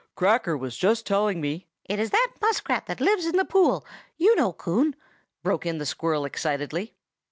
Cracker was just telling me—" "It is that muskrat that lives in the pool, you know, Coon!" broke in the squirrel excitedly.